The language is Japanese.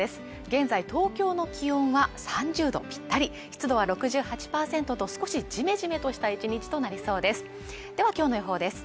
現在東京の気温は３０度ぴったり湿度は６８％と少しじめじめとした１日となりそうです